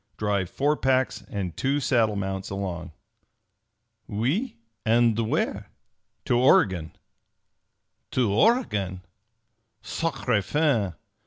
Drive four packs and two saddle mounts along." "Oui? And where?" "To Oregon!" "To Oregon? _Sacre 'Fan!'